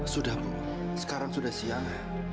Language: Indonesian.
sudah bu sekarang sudah siang